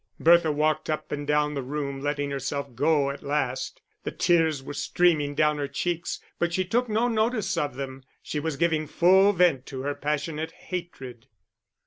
Bertha walked up and down the room, letting herself go at last. The tears were streaming down her cheeks, but she took no notice of them. She was giving full vent to her passionate hatred.